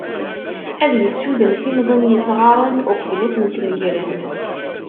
Ad yessuden timẓin yettɣaran uqbel ad tent-megren.